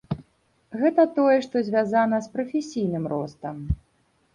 Гэта тое, што звязана з прафесійным ростам.